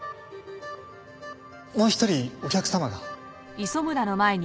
もう一人お客様が。